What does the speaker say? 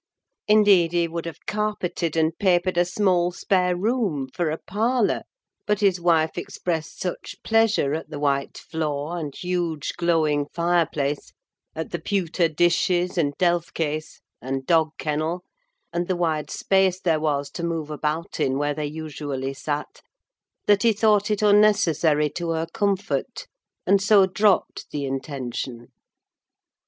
Indeed, he would have carpeted and papered a small spare room for a parlour; but his wife expressed such pleasure at the white floor and huge glowing fireplace, at the pewter dishes and delf case, and dog kennel, and the wide space there was to move about in where they usually sat, that he thought it unnecessary to her comfort, and so dropped the intention.